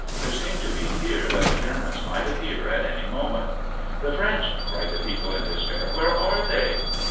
There seemed to be fear that the Germans might appear at any moment. "The French!" cried the people in despair. "Where are they?"